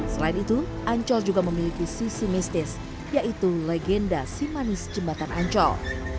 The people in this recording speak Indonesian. selain itu ancol juga memiliki sisi mistis yaitu legenda simanis jembatan ancol